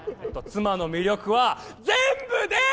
妻の魅力は全部です！